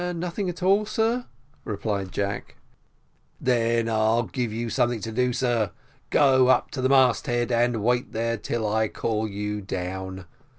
"Nothing at all, sir," replied Jack. "Then I'll give you something to do, sir. Go up to the mast head, and wait there till I call you down.